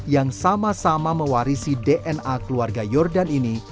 yang sama sama mewarisi dna keluarga yordan ini